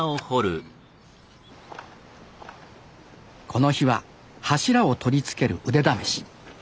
この日は柱を取り付ける腕試し。